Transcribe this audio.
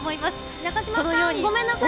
中島さん、ごめんなさい。